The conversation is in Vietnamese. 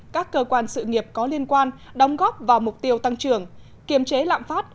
các cơ quan sự nghiệp có liên quan đóng góp vào mục tiêu tăng trưởng kiềm chế lạm phát